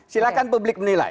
silahkan publik menilai